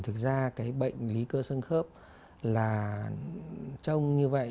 thực ra cái bệnh lý cơ sân khớp là trông như vậy